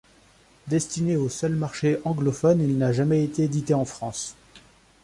Destiné au seul marché anglophone, il n’a jamais été édité en France.